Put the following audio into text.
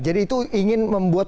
jadi itu ingin membuat